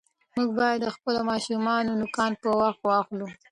موږ باید د خپلو ماشومانو نوکان په وخت واخلو.